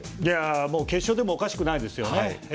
決勝でもおかしくないですよね。